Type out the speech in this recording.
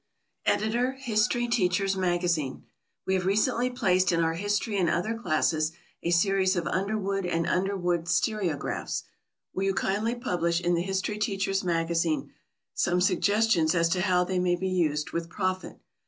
Editor HISTORY TEACHER'S MAGAZINE. We have recently placed in our history and other classes a series of Underwood and Underwood stereographs. Will you kindly publish in THE HISTORY TEACHER'S MAGAZINE some suggestions as to how they may be used with profit?